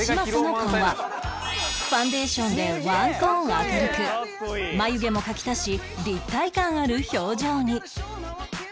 ファンデーションでワントーン明るく眉毛も描き足し立体感ある表情に